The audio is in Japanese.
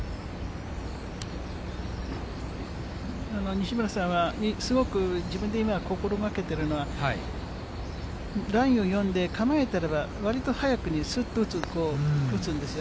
西村さんは、すごく自分で今、心がけているのは、ラインを読んで構えてから、わりと早くにすっと打つんですよ。